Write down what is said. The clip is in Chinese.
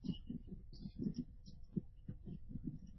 智力在狭窄的定义中是以智力测验来衡量。